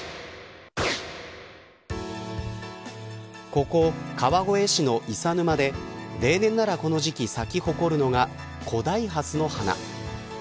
ここ、川越市の伊佐沼で例年ならこの時期咲き誇るのが古代ハスの花。